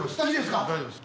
大丈夫です。